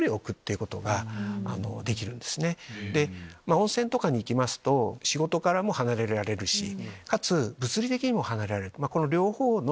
温泉とかに行きますと仕事からも離れられるしかつ物理的にも離れられる。